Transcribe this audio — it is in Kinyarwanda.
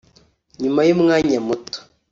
"Nyuma y’umwanya muto